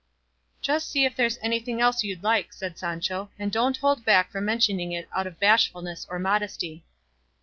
"Just see if there's anything else you'd like," said Sancho, "and don't hold back from mentioning it out of bashfulness or modesty."